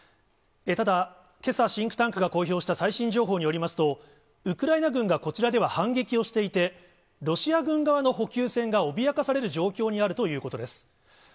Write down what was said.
ただ、けさシンクタンクが公表した最新情報によりますと、ウクライナ軍がこちらでは反撃をしていて、ロシア軍側の補給線が脅かされる状況にあるということです。